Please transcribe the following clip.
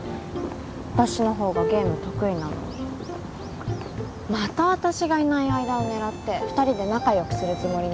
私の方がゲーム得意なのにまた私がいない間を狙って二人で仲よくするつもりね